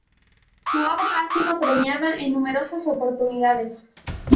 Su obra ha sido premiada en numerosas oportunidades.